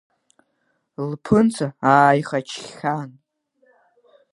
Лԥынҵа ааихачхьан.